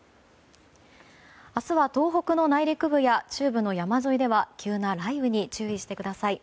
明日は東北の内陸部や中部などでは急な雷雨に注意してください。